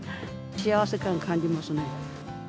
幸せ感、感じますね。